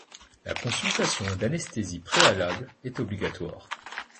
La consultation d’anesthésie préalable est obligatoire.